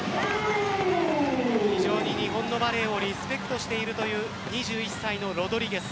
非常に日本のバレーをリスペクトしているという２１歳のロドリゲス。